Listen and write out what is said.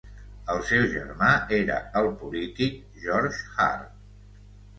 El seu germà era el polític George Hart.